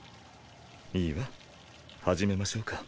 いいわ始めましょうか。